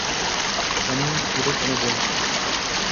এমন করে কেন বলছো?